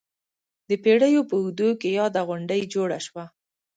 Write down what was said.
د پېړیو په اوږدو کې یاده غونډۍ جوړه شوه.